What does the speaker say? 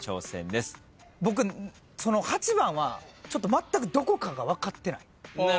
僕８番はまったくどこかが分かってない。